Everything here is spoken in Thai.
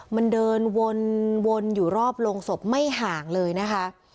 มันเดินวนอยู่รอบโรงศพไม่ห่างเลยนะคะ